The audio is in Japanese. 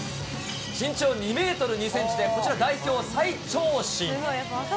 身長２メートル２センチで、こちら代表最長身。